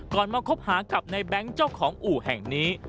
มาคบหากับในแบงค์เจ้าของอู่แห่งนี้